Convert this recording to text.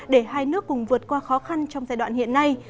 để hai nước cùng vượt qua khó khăn trong giai đoạn hiện nay